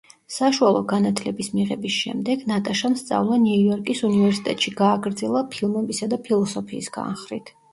საშუალო განათლების მიღების შემდეგ ნატაშამ სწავლა ნიუ იორკის უნივერსიტეტში გააგრძელა ფილმებისა და ფილოსოფიის განხრით.